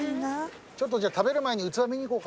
ちょっとじゃあ食べる前に器見に行こうか。